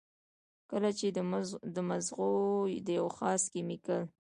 کله چې د مزغو د يو خاص کېميکل